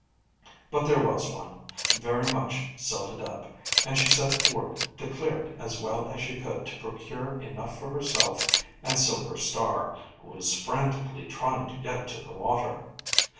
But there was one, very much silted up, and she set to work to clear it as well as she could to procure enough for herself and Silver Star, who was frantically trying to get to the water.